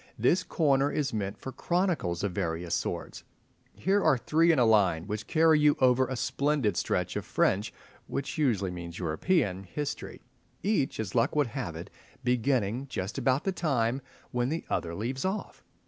This corner is meant for chronicles of various sorts. Here are three in a line, which carry you over a splendid stretch of French (which usually means European) history, each, as luck would have it, beginning just about the time when the other leaves off.